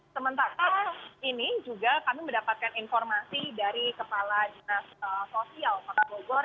sementara ini juga kami mendapatkan informasi dari kepala dinas sosial kota bogor